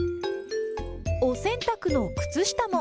お洗濯の靴下も。